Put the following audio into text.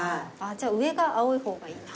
じゃあ上が青い方がいいな。